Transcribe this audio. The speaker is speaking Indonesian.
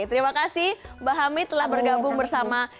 terima kasih mbak hamid telah bergabung bersama cnn indonesia